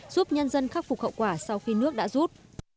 giúp nhân dân khắc phục hậu quả sau khi nước đã rút